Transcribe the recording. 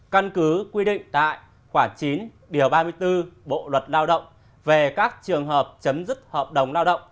căn cứ quy định tại khoảng chín ba mươi bốn bộ luật lao động về các trường hợp chấm dứt hợp đồng